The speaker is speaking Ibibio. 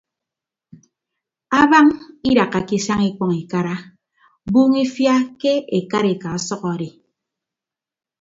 Abañ idakkake isañ ikpọñ ikara buuñ ifia ke ekarika ọsʌk adi.